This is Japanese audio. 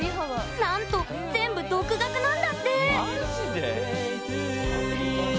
なんと全部独学なんだって！